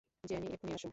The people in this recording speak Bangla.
জ্যানি, এক্ষুনি আসো!